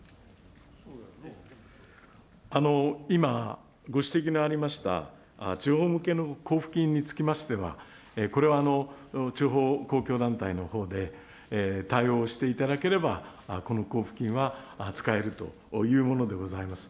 今、ご指摘のありました、地方向けの交付金につきましては、これは地方公共団体のほうで、対応をしていただければ、この交付金は使えるというものでございます。